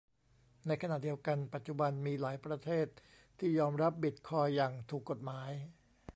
ขณะเดียวกันปัจจุบันมีหลายประเทศที่ยอมรับบิตคอยน์อย่างถูกกฎหมาย